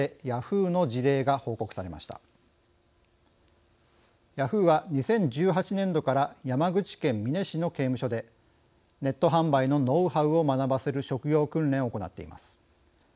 ヤフーは２０１８年度から山口県美祢市の刑務所でネット販売のノウハウを学ばせる職業訓練を行っています。